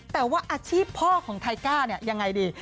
แต่ว่าอาชีพพ่อของไทก้าเนี่ยยังไงดี